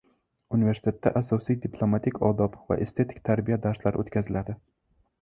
Universitetda asosiy diplomatik odob va estetik tarbiya darslari o'tkaziladi.